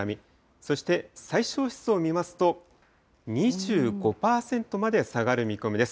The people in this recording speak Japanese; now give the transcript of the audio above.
そして最小湿度を見ますと、２５％まで下がる見込みです。